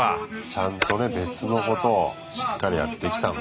ちゃんとね別のことをしっかりやってきたんだ。